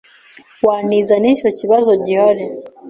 Wantiza nicyo kibazo gihari